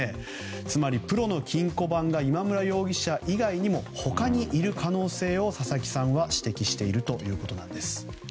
つまりプロの金庫番が今村容疑者以外にも他にいる可能性を佐々木さんは指摘しているということなんです。